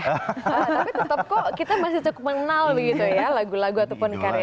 tapi tetap kok kita masih cukup mengenal begitu ya lagu lagu ataupun karya